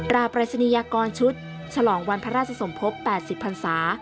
ปรายศนียากรชุดฉลองวันพระราชสมภพ๘๐พันศา